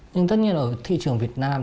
nhưng tất nhiên ở thị trường việt nam